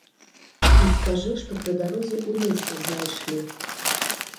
І скажы, што пры дарозе ў лесе знайшлі.